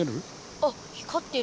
あっ光ってる。